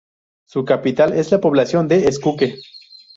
Su capital es la población de Escuque.